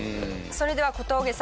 それでは小峠さん